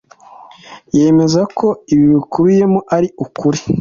yemeza ko ibikubiyemo ari ukuri.